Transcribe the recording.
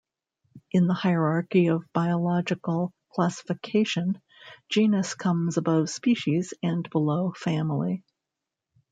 In the hierarchy of biological classification, genus comes above species and below family.